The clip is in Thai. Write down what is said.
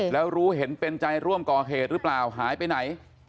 แล้วรู้เห็นเป็นใจร่วมก่อเหตุหรือเปล่าหายไปไหน